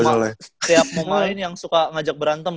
setiap mau main yang suka ngajak berantem